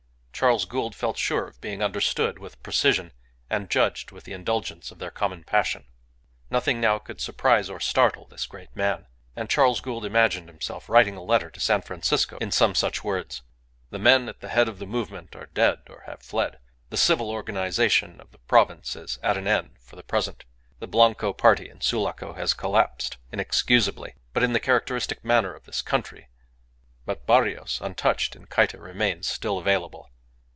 Charles Gould felt sure of being understood with precision and judged with the indulgence of their common passion. Nothing now could surprise or startle this great man. And Charles Gould imagined himself writing a letter to San Francisco in some such words: ".... The men at the head of the movement are dead or have fled; the civil organization of the province is at an end for the present; the Blanco party in Sulaco has collapsed inexcusably, but in the characteristic manner of this country. But Barrios, untouched in Cayta, remains still available.